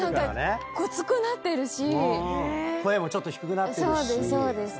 声もちょっと低くなってるし。